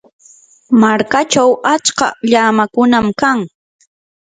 markachaw achka llamakunam kan.